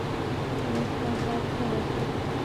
نو ته به څه وکې.